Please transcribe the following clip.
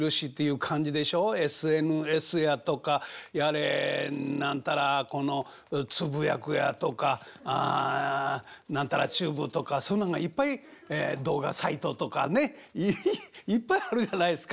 ＳＮＳやとかやれ何たらこのつぶやくやとか何たらチューブとかそんなんがいっぱい動画サイトとかねいっぱいあるじゃないですか。